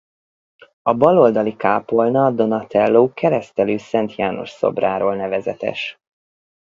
A bal oldali kápolna Donatello Keresztelő Szent János-szobráról nevezetes.